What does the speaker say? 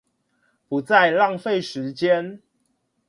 不再浪費時間